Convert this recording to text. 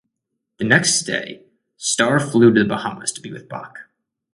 The next day Starr flew to the Bahamas to be with Bach.